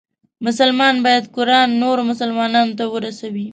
مسلمان باید قرآن نورو مسلمانانو ته ورسوي.